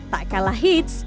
tak kalah hits